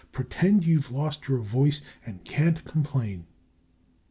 Pretend you've lost your voice and can't complain!